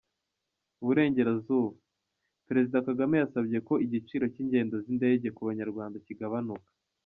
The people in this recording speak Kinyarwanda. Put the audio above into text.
Iburengerazuba: Perezida Kagame yasabye ko igiciro cy’ingendo z’indege ku Banyarwanda kigabanuka.